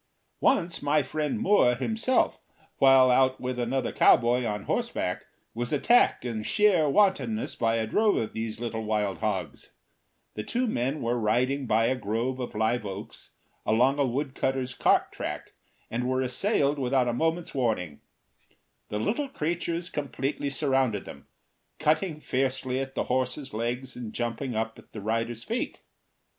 Once my friend Moore himself, while out with another cowboy on horseback, was attacked in sheer wantonness by a drove of these little wild hogs. The two men were riding by a grove of live oaks along a woodcutter's cart track, and were assailed without a moment's warning. The little creatures completely surrounded them, cutting fiercely at the horses' legs and jumping up at the riders' feet.